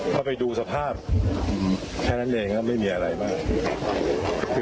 ก็ไปดูสภาพแค่นั้นเองครับไม่มีอะไรมาก